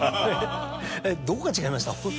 どこが違いました？